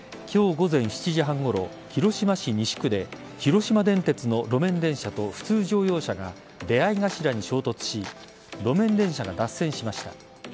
今日午前７時半ごろ広島市西区で広島電鉄の路面電車と普通乗用車が出合い頭に衝突し路面電車が脱線しました。